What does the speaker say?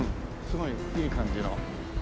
すごいいい感じの。